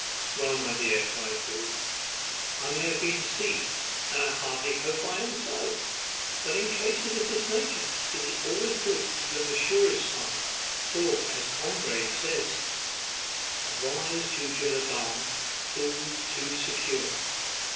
"Well, my dear," cries Booth, "I may have been deceived, and I heartily hope I am so; but in cases of this nature it is always good to be on the surest side; for, as Congreve says, 'The wise too jealous are: fools too secure.